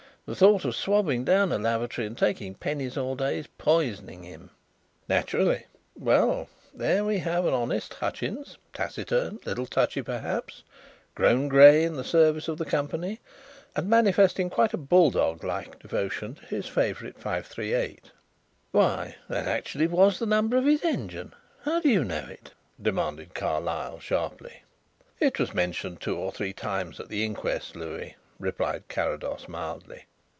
The thought of swabbing down a lavatory and taking pennies all day is poisoning him." "Naturally. Well, there we have honest Hutchins: taciturn, a little touchy perhaps, grown grey in the service of the company, and manifesting quite a bulldog like devotion to his favourite 538." "Why, that actually was the number of his engine how do you know it?" demanded Carlyle sharply. "It was mentioned two or three times at the inquest, Louis," replied Carrados mildly.